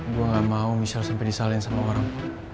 gue gak mau michelle sampe disalahin sama orang